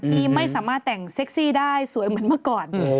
ที่ไม่สามารถแต่งเซ็กซี่ได้สวยเหมือนเมื่อก่อน